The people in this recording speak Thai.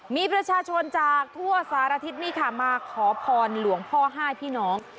มีประชาชนจากทั่วสารทิศนี่ค่ะมาขอพรหลวงพ่อ๕พี่น้อง